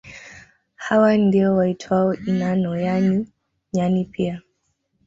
Hawa ndio waitwao inano yaani nyani pia